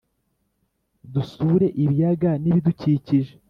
dusure ibiyaga ni bidukikije